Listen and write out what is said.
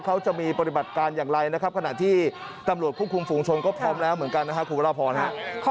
เขาจะมีปฏิบัติการอย่างไรนะครับขณะที่ตำรวจควบคุมฝูงชนก็พร้อมแล้วเหมือนกันนะครับคุณพระราพรครับ